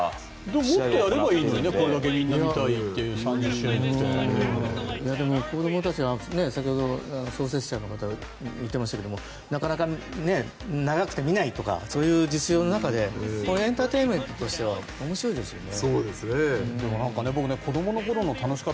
でももっとやればいいのにこれだけみんな見たいって子どもたちが先ほど創設者の方言ってましたけどなかなか長くて見ないとかそういう実情の中でエンターテインメントとしては面白いですよね。